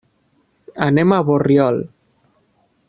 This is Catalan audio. Anem a Borriol.